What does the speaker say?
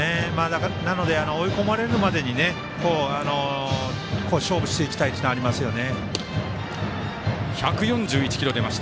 なので、追い込まれるまでに勝負していきたいっていうのはありますよね。